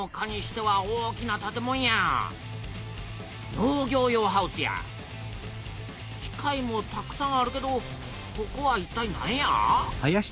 農業用ハウスや機械もたくさんあるけどここはいったいなんや？